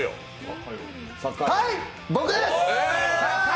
はい、僕です！